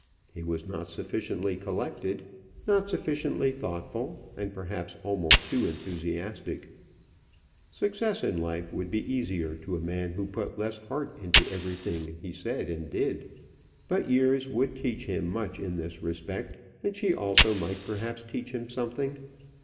He was not sufficiently collected, not sufficiently thoughtful, and perhaps almost too enthusiastic: success in life would be easier to a man who put less heart into everything he said and did. But years would teach him much in this respect, and she also might perhaps teach him something.